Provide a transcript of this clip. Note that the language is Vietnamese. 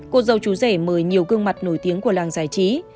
cô dâu chú rể mời nhiều gương mặt nổi tiếng của làng giải trí